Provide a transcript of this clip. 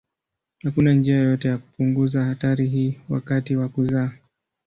Hakuna njia yoyote ya kupunguza hatari hii wakati wa kuzaa.